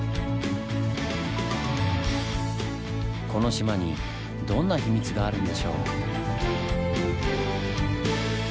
この島にどんな秘密があるんでしょう？